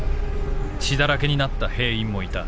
血だらけになった兵員も居た。